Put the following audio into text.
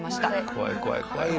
怖い怖い怖い。